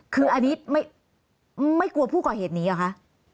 คืออันนี้ไม่กลัวผู้ก่อเหตุหนีเหรอคะ